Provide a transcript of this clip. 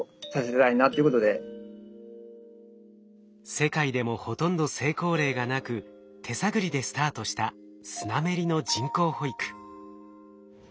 世界でもほとんど成功例がなく手探りでスタートしたスナメリの人工哺育。